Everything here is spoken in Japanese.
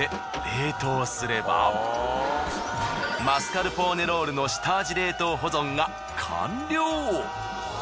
マスカルポーネロールの下味冷凍保存が完了。